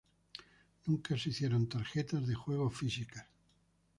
Nunca se hicieron tarjetas de juego físicas.